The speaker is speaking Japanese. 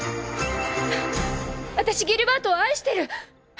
あたしギルバートを愛してる！